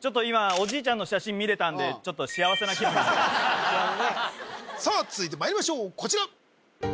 ちょっと今おじいちゃんの写真見れたんでちょっと幸せな気分ですさあ